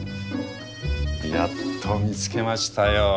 やっと見つけましたよ。